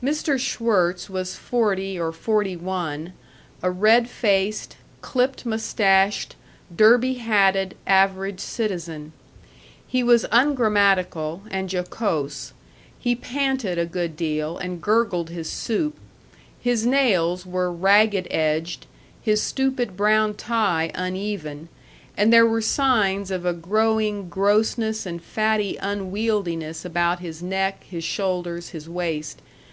Mr. Schwirtz was forty or forty one, a red faced, clipped mustached, derby hatted average citizen. He was ungrammatical and jocose; he panted a good deal and gurgled his soup; his nails were ragged edged, his stupid brown tie uneven, and there were signs of a growing grossness and fatty unwieldiness about his neck, his shoulders, his waist.